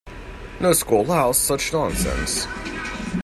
No school allows such nonsense!